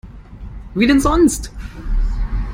Wie denn sonst?